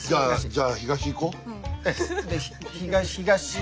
じゃあ東行こう。